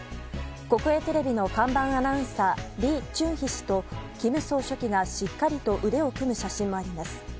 国営テレビの看板アナウンサーリ・チュンヒ氏と金総書記が、しっかりと腕を組む写真もあります。